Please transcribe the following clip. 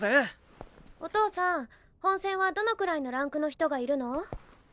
お父さん本戦はどのくらいのランクの人がいるの？